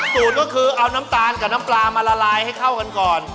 สูตรก็คือเอาน้ำตาลกับน้ำปลามาละลายให้เข้ากันก่อน